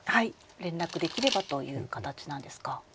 連絡できればという形なんですか。